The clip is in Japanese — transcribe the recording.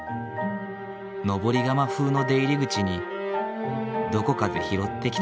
登り窯風の出入り口にどこかで拾ってきた蛇口。